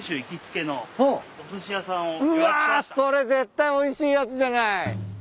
それ絶対おいしいやつじゃない。